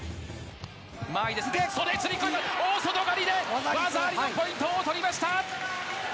袖釣り込み、大外刈りで技ありでポイントを取りました。